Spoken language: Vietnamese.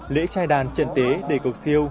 lễ trai đàn trần tế đề cầu siêu